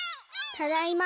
ただいま。